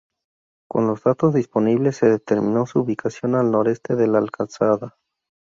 Con los datos disponibles, se determinó su ubicación a al nornoroeste de la alcazaba.